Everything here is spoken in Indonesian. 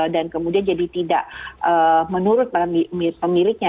dan kemudian jadi tidak menurut pemiliknya